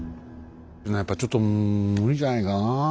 やっぱりちょっと無理じゃないかなあ。